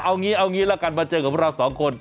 เอางี้เอางี้ละกันมาเจอกับพวกเราสองคน